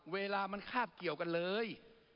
เวลามันคาบเกี่ยวกันเลย